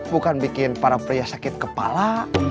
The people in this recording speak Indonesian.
bukan bikin para pria sakit kepala